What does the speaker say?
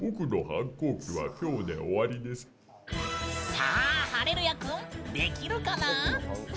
さあ、ハレルヤくんできるかな？